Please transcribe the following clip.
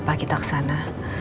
pagi kita kesana